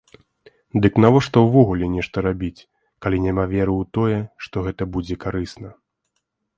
Дык навошта ўвогуле нешта рабіць, калі няма веры ў тое, што гэта будзе карысна?